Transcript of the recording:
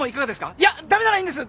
いや駄目ならいいんです